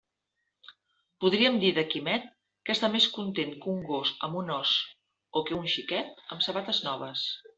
Podríem dir de Quimet que està més content que un gos amb un os o que un xiquet amb sabates noves.